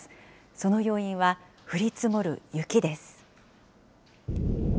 その要因は、降り積もる雪です。